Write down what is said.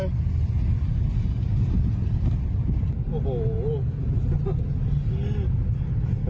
โอ้โห